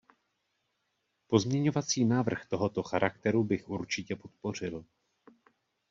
Pozměňovací návrh tohoto charakteru bych určitě podpořil.